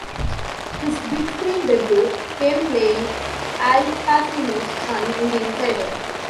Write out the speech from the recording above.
His big-screen debut came playing Al Pacino's son in The Insider.